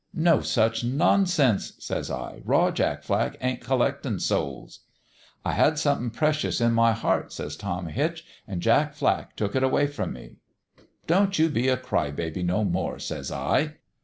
"'No such nonsense!' says I. 'Raw Jack Flack ain't collectin' souls.' "' I had something precious in my heart,' says Tom Hitch ;' an' Jack Flack took it away from me.' " 'Don't you be a cry baby no more,' says I.